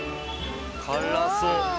辛そう。